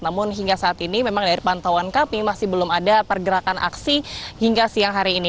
namun hingga saat ini memang dari pantauan kami masih belum ada pergerakan aksi hingga siang hari ini